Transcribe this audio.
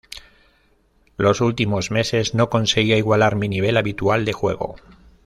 Los últimos meses no conseguía igualar mi nivel habitual de juego.